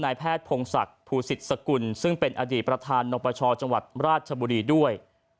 แพทย์พงศักดิ์ภูสิตสกุลซึ่งเป็นอดีตประธานนปชจังหวัดราชบุรีด้วย